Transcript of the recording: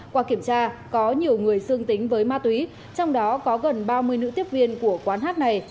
qua kiểm tra có nhiều người dương tính với ma túy trong đó có gần ba mươi nữ tiếp viên của quán hát này